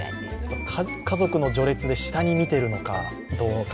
家族の序列で下に見ているのかどうか。